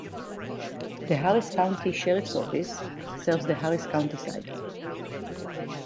The Harris County Sheriff's Office serves the Harris County side.